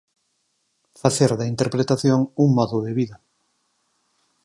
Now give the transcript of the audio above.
Facer da interpretación un modo de vida.